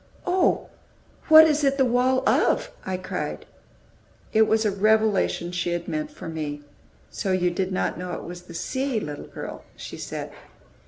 "Oh, what is it the wall of?" I cried. It was a revelation she had meant for me. "So you did not know it was the sea, little girl!" she said.